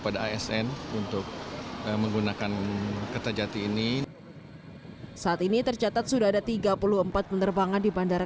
pada asn untuk menggunakan kertajati ini saat ini tercatat sudah ada tiga puluh empat penerbangan di bandara